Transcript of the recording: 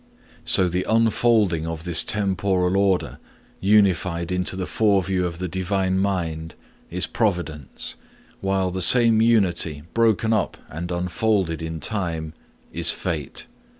'So the unfolding of this temporal order unified into the foreview of the Divine mind is providence, while the same unity broken up and unfolded in time is fate.